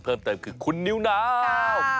เพิ่มเติมคือคุณนิวนาว